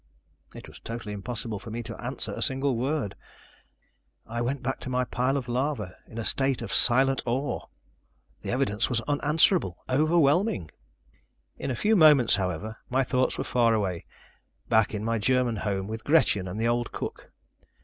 It was totally impossible for me to answer a single word. I went back to my pile of lava, in a state of silent awe. The evidence was unanswerable, overwhelming! In a few moments, however, my thoughts were far away, back in my German home, with Gretchen and the old cook.